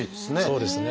そうですね。